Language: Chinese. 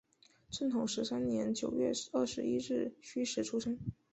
正统十三年九月二十一日戌时出生。